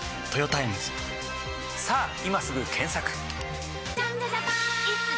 さぁ今すぐ検索！